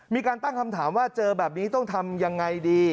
มีการตั้งคำถามว่าเจอแบบนี้ต้องทำยังไงดี